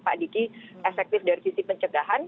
pak diki efektif dari sisi pencegahan